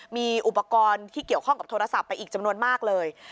มีอุปกรณ์ที่เกี่ยวข้องกับโทรศัพท์ไปอีกจำนวนมากเลย